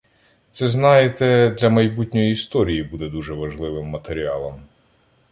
Це, знаєте, для майбутньої історії буде дуже важливим матеріалом.